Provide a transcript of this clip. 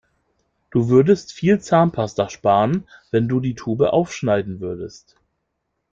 Du würdest viel Zahnpasta sparen, wenn du die Tube aufschneiden würdest.